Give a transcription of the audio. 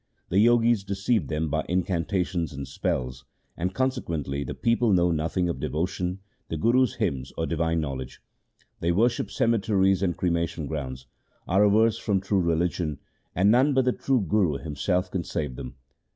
The Jogis deceive them by incanta tions and spells, and consequently the people know nothing of devotion, the Guru's hymns, or divine knowledge. They worship cemeteries and cremation grounds, are averse from true religion, and none but 1 Gauri. 140 THE SIKH RELIGION the true Guru himself can save them.